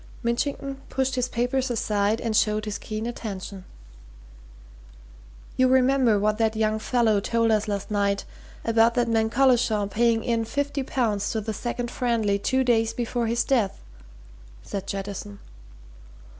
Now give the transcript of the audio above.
Mitchington pushed his papers aside and showed his keen attention. "You remember what that young fellow told us last night about that man Collishaw paying in fifty pounds to the Second Friendly two days before his death," said Jettison.